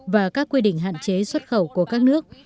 và các quy định hạn chế xuất khẩu của các nước